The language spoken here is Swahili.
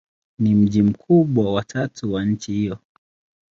Ni mji mkubwa wa tatu wa nchi hiyo.